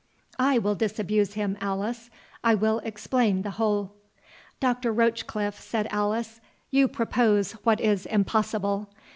"I will disabuse him, Alice; I will explain the whole." "Doctor Rochecliffe," said Alice, "you propose what is impossible.